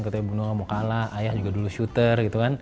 katanya ibu nona mau kalah ayah juga dulu shooter gitu kan